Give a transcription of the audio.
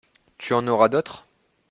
Tu en auras d'autres ?